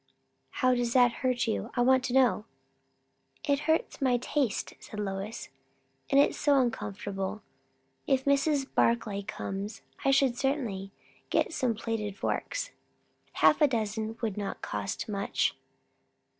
"How does that hurt you, I want to know?" "It hurts my taste," said Lois; "and so it is uncomfortable. If Mrs. Barclay comes, I should certainly get some plated forks. Half a dozen would not cost much."